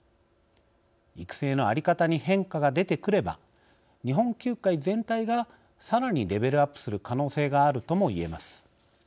育成の在り方に変化が出てくれば日本球界全体が、さらにレベルアップする可能性があるともいえます。